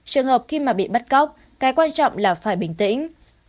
trường hợp khi mà bị bắt cóc cái quan trọng là phải bình tĩnh